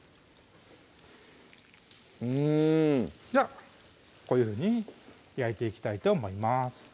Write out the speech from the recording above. ではこういうふうに焼いていきたいと思います